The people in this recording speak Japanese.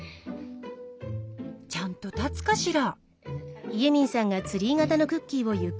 ちゃんと立つかしら？